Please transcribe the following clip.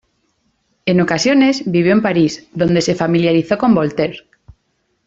En ocasiones, vivió en París, donde se familiarizó con Voltaire.